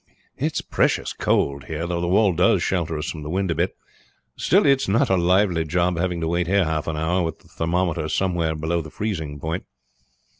It's precious cold here, though the wall does shelter us from the wind a bit; still it's not a lively job having to wait here half an hour, with the thermometer somewhere below freezing point."